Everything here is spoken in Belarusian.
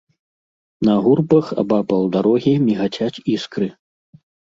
На гурбах абапал дарогі мігацяць іскры.